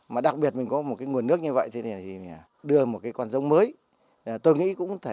mà đặc biệt mình có một nguồn nước như vậy thì đưa một con rông mới